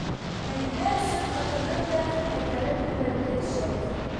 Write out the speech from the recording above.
Мәҙинә өсөн ҡатынын да ҡайтарып ебәрҙе, шәй...